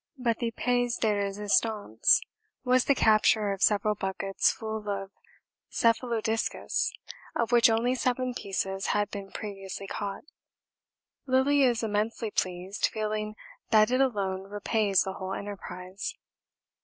but the pièce de résistance was the capture of several buckets full of cephalodiscus of which only seven pieces had been previously caught. Lillie is immensely pleased, feeling that it alone repays the whole enterprise.